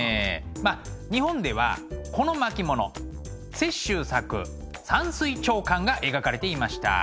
まあ日本ではこの巻物雪舟作「山水長巻」が描かれていました。